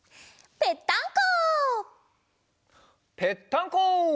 ぺったんこ！